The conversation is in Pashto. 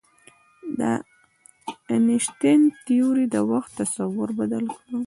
د انیشتین تیوري د وخت تصور بدل کړ.